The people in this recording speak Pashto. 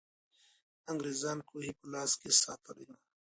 انګریزان کوهي په لاس کې ساتلې وو.